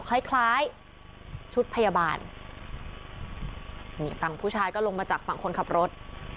คล้ายคล้ายชุดพยาบาลนี่ฝั่งผู้ชายก็ลงมาจากฝั่งคนขับรถ